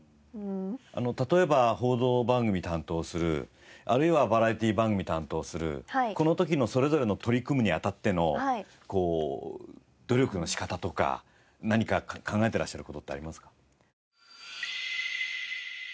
例えば報道番組を担当するあるいはバラエティー番組を担当するこの時のそれぞれの取り組むに当たっての努力の仕方とか何か考えてらっしゃる事ってありますか？